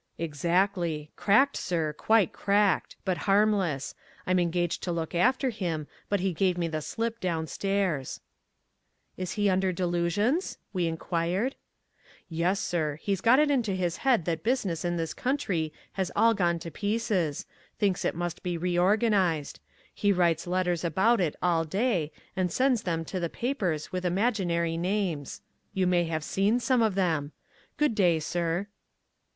"Exactly. Cracked, sir. Quite cracked; but harmless. I'm engaged to look after him, but he gave me the slip downstairs." "He is under delusions?" we inquired. "Yes, sir. He's got it into his head that business in this country has all gone to pieces, thinks it must be reorganized. He writes letters about it all day and sends them to the papers with imaginary names. You may have seen some of them. Good day, sir."